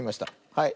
はい。